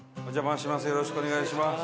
よろしくお願いします。